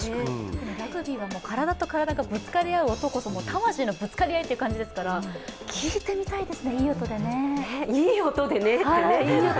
ラグビーは体と体がぶつかり合う音こそ、魂のぶつかり合いですから聞いてみたいですね、いい音でね。